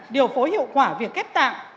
điều phối hiệu quả việc khép tạng